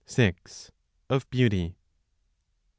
Of Beauty, 1.